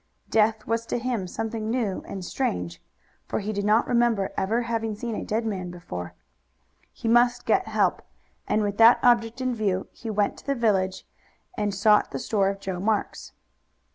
Death was to him something new and strange, for he did not remember ever having seen a dead man before. He must get help, and with that object in view he went to the village, and sought the store of Joe Marks.